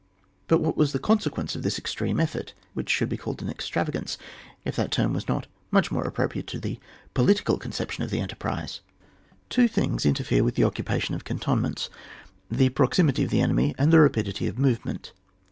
But what was the conse quence of this extreme effqrt, which should be called an extravagance, if that term was not much more applicable to the political conception of the enterprise ! Two things interfere with the occupa tion of cantonments — the proximity of the enemy, and the rapidity of movement.